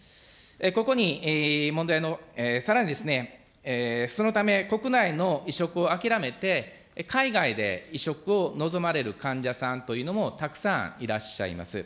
ここに問題の、さらにそのため、国内の移植を諦めて、海外で移植を望まれる患者さんというのもたくさんいらっしゃいます。